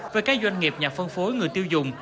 với các doanh nghiệp nhà phân phối người tiêu dùng